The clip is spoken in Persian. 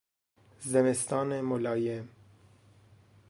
زمستان ملایم